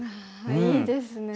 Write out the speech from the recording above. ああいいですね。